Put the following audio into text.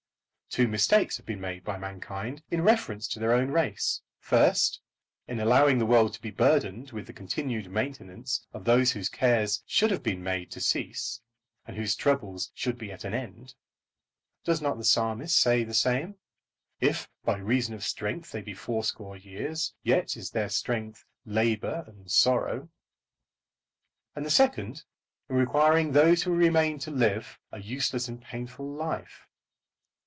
Two mistakes have been made by mankind in reference to their own race, first, in allowing the world to be burdened with the continued maintenance of those whose cares should have been made to cease, and whose troubles should be at an end. Does not the Psalmist say the same? "If by reason of strength they be fourscore years, yet is their strength labour and sorrow." And the second, in requiring those who remain to live a useless and painful life.